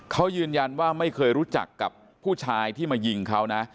เขายืนยันว่าไม่เคยรู้จักกับผู้ชายที่มายิงเขานะ